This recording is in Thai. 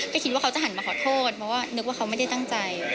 ก็คิดว่าเขาจะหันมาขอโทษเพราะว่านึกว่าเขาไม่ได้ตั้งใจ